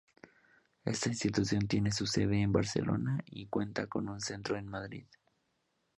Esta institución tiene su sede en Barcelona, y cuenta con un centro en Madrid.